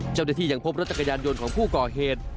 เจ้าหน้าที่ยังพบรถจักรยานยนต์ของผู้ก่อเหตุ